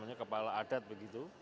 dan ada satu perorangan